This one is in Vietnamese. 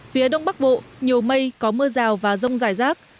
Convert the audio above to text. phía đông bắc bộ nhiều mây có mưa rào và rông rải rác